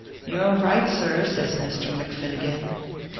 "You re right, sir," says Misther McFinnigan.